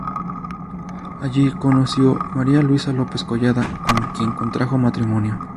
Allí conoció Maria Luisa López-Collada con quien contrajo matrimonio.